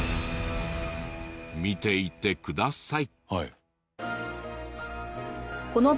見ていてください。